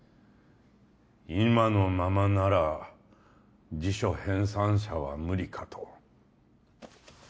今のままなら辞書編纂者は無理かと